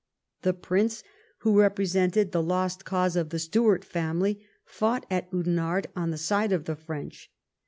The prince who represented the lost cause of the Stuart family fought at Oudenarde on the side of the French.